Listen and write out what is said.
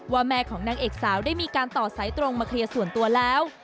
แม่ของนางเอกสาวได้มีการต่อสายตรงมาเคลียร์ส่วนตัวแล้ว